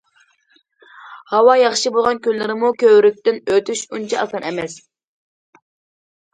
ھاۋا ياخشى بولغان كۈنلىرىمۇ كۆۋرۈكتىن ئۆتۈش ئۇنچە ئاسان ئەمەس.